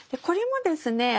これもですね